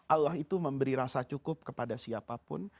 allah itu memberi rasa cukup kepada siapapun